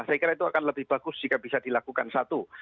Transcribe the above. saya kira itu akan lebih bagus jika bisa dilakukan satu